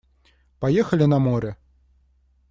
Поехали на море!